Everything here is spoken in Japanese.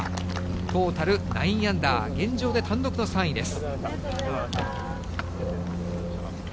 トータル９アンダー、現状で単独の３位です。